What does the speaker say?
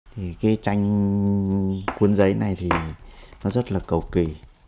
thì cái tranh cuốn giấy này thì nó rất là cầu kỳ